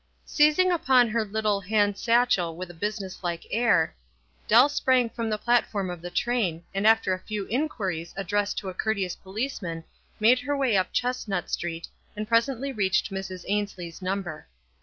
Seizing upon her little hand satchel with a business like air, Dell sprang from the platform of the train, and after a few inquiries addressed to a courteous policeman made her way up Chestnut Street, and presently reached Mrs. Ainslie's number.